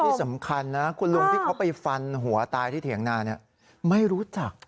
ที่สำคัญนะคุณลุงที่เขาไปฟันหัวตายที่เถียงนาไม่รู้จัก